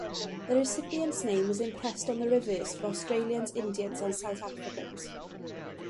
The recipient's name was impressed on the reverse for Australians, Indians and South Africans.